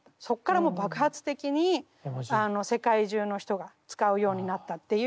そこから爆発的に世界中の人が使うようになったっていう。